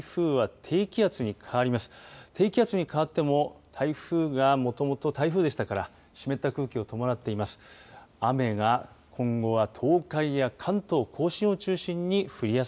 低気圧に変わっても台風がもともと台風でしたから湿った空気を伴っています。